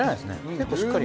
結構しっかり。